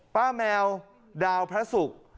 ป๊าแมวดาวพระสุก